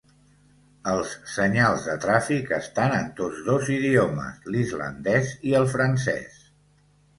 Els senyals de tràfic estan en tots dos idiomes: l'islandès i el francès.